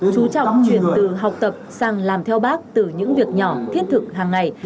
chú trọng chuyển từ học tập sang làm theo bác từ những việc nhỏ thiết thực hàng ngày